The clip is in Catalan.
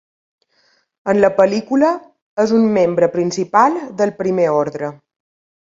En la pel·lícula, és un membre principal del Primer Orde.